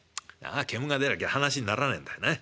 煙が出なきゃ話にならねえんだよな。